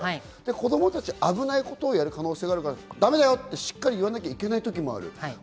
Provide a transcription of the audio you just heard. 子供たちは危ないことやる可能性もあるから、ためだよって、しっかり言わなきゃいけない時もある。